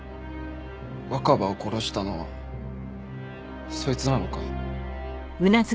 若葉を殺したのはそいつなのか？